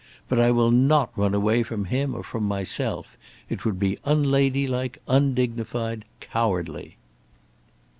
But I will not run away from him or from myself. It would be unladylike, undignified, cowardly."